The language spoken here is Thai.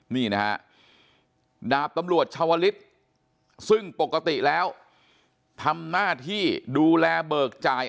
นี่นะฮะดาบตำรวจชาวลิศซึ่งปกติแล้วทำหน้าที่ดูแลเบิกจ่าย